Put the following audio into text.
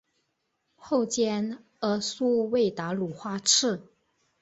后兼阿速卫达鲁花赤。